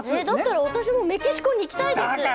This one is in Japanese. だったら私もメキシコに行きたいです！